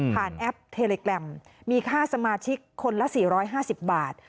แอปเทเลแกรมมีค่าสมาชิกคนละ๔๕๐บาท